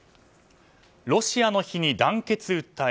ロシアの日に団結訴え